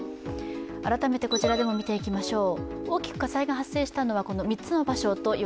改めてこちらでも見ていきましょう。